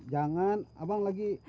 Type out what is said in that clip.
jegan abang lagi